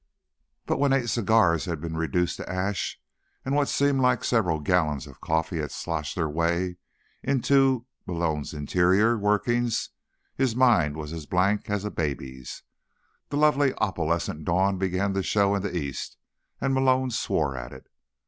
But when eight cigars had been reduced to ash, and what seemed like several gallons of coffee had sloshed their way into Malone's interior workings, his mind was as blank as a baby's. The lovely, opalescent dawn began to show in the East, and Malone swore at it.